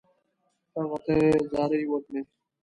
هغه ته یې زارۍ وکړې.